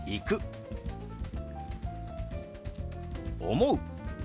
「思う」。